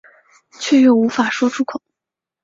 却又无法说出口